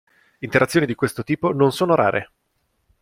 Interazioni di questo tipo non sono rare.